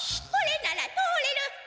これなら通れる。